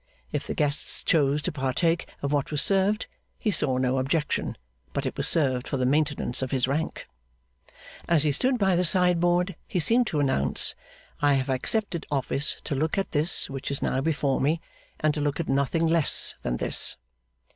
If the guests chose to partake of what was served, he saw no objection; but it was served for the maintenance of his rank. As he stood by the sideboard he seemed to announce, 'I have accepted office to look at this which is now before me, and to look at nothing less than this.